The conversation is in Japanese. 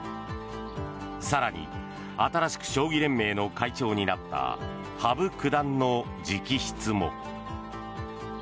更に新しく将棋連盟の会長になった羽生九段の直筆も。